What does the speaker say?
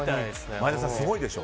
前田さん、すごいでしょ。